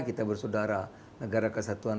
kita bersaudara negara kesatuan